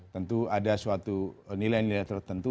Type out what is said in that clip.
tentu ada suatu nilai nilai tertentu